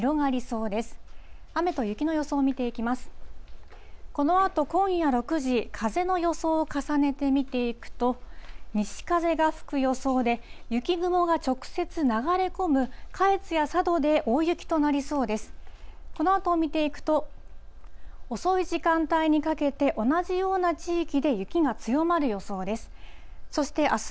このあとを見ていくと、遅い時間帯にかけて、同じような地域で雪が強まる予想です。